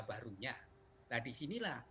barunya nah disinilah